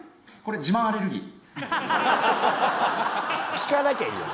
聞かなきゃいいのに。